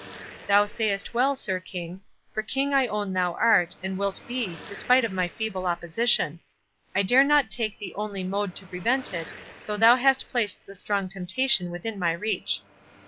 "Thou sayest well, Sir King—for King I own thou art, and wilt be, despite of my feeble opposition.—I dare not take the only mode to prevent it, though thou hast placed the strong temptation within my reach!"